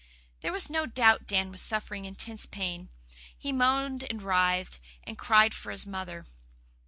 There was no doubt Dan was suffering intense pain. He moaned and writhed, and cried for his mother.